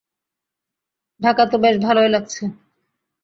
ঢাকা তো বেশ ভালই লাগছে।